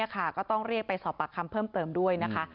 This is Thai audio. ก็ต้องเรียกไปสอบปากคำเพิ่มเติมด้วยนะคะ